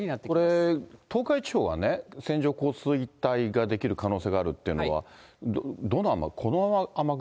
これ、東海地方はね、線状降水帯が出来る可能性があるっていうのは、どの雨雲、この雨雲？